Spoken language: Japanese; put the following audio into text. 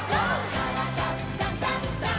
「からだダンダンダン」